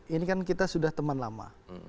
ini kan kita sudah teman lama